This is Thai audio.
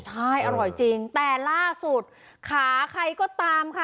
ใช่อร่อยจริงแต่ล่าสุดขาใครก็ตามค่ะ